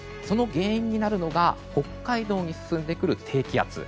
その原因になるのが北海道に進んでくる低気圧。